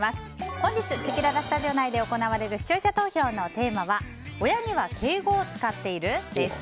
本日、せきららスタジオ内で行われる視聴者投票のテーマは親には敬語を使っている？です。